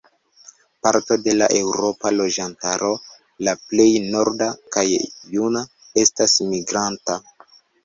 Parto de la eŭropa loĝantaro -la plej norda kaj juna- estas migranta.